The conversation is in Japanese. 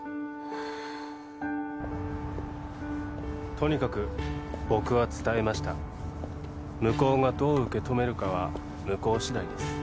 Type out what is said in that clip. とにかく僕は伝えました向こうがどう受け止めるかは向こうしだいです